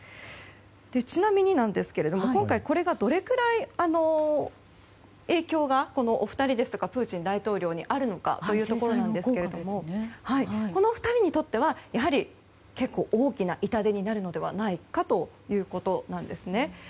ちなみになんですが今回、どのくらい影響がこのお二人やプーチン大統領にあるのかというところですがこの２人にとってはやはり、結構大きな痛手になるのではないかということでした。